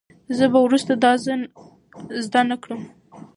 زه به وروسته دا زده کړم.